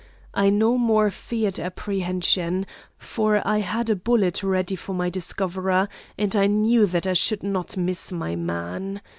I no more feared apprehension, for I had a bullet ready for my discoverer, and I knew that I should not miss my man.